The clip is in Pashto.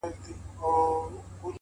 زما شاعري وخوړه زې وخوړم _